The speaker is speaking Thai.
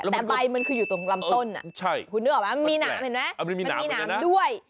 แต่ใบมันคืออยู่ตรงลำต้นคุณนึกออกไหมมันมีหนามเห็นไหมมันมีหนามด้วย